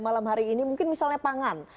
malam hari ini mungkin misalnya pangan